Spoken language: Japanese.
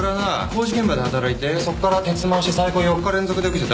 工事現場で働いてそっから徹マンして最高４日連続で起きてた。